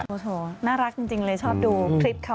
โอ้โหน่ารักจริงเลยชอบดูคลิปเขา